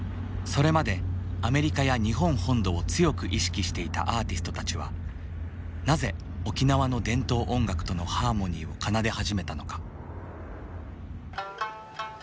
それまでアメリカや日本本土を強く意識していたアーティストたちはなぜ沖縄の伝統音楽とのハーモニーを奏で始めたのか。